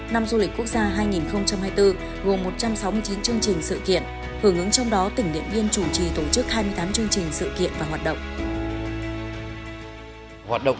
năm du lịch quốc gia hai nghìn hai mươi bốn gồm một trăm sáu mươi chín chương trình sự kiện hưởng ứng trong đó tỉnh điện biên chủ trì tổ chức hai mươi tám chương trình sự kiện và hoạt động